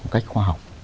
cách khoa học